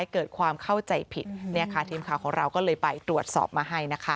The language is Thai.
เกิดความเข้าใจผิดเนี่ยค่ะทีมข่าวของเราก็เลยไปตรวจสอบมาให้นะคะ